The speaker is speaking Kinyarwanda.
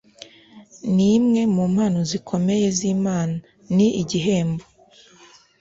ni imwe mu mpano zikomeye z'imana, ni igihembo